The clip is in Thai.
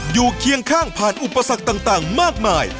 เคียงข้างผ่านอุปสรรคต่างมากมาย